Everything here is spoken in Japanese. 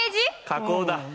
加工だ！